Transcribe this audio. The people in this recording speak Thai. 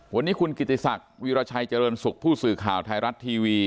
วันนี้คุณกิติศักดิ์วีรชัยเจริญสุขผู้สื่อข่าวไทยรัฐทีวี